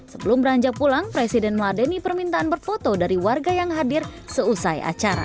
sebelum beranjak pulang presiden meladeni permintaan berfoto dari warga yang hadir seusai acara